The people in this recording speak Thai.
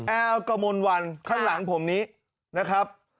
แอลกมลวันข้างหลังผมนี้นะครับ